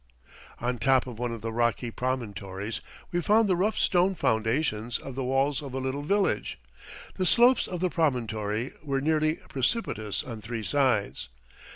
On top of one of the rocky promontories we found the rough stone foundations of the walls of a little village. The slopes of the promontory were nearly precipitous on three sides.